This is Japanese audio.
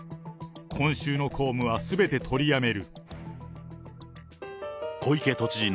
今週の公務はすべて取りやめる。